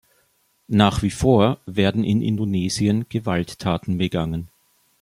Nach wie vor werden in Indonesien Gewalttaten begangen.